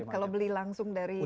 kalau beli langsung dari